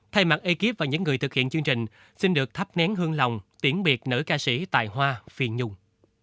thay mặt ekip và những người thực hiện chương trình xin được thắp nén hương lòng tiễn biệt nữ ca sĩ tài hoa phiền nhùng